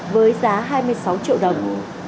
với giá hai mươi sáu triệu đồng